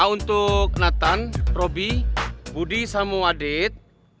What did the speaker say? untuk nathan roby budi sama wadid